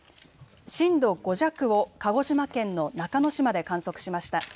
震度５弱を鹿児島県の中之島で観測しました。